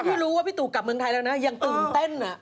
ไม่รู้ว่าพี่ตู่กลับเมืองไทยแล้วนะยังตื่นเต้น